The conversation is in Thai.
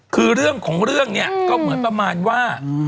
คือเรื่องของเรื่องเนี่ยก็เหมือนประมาณว่า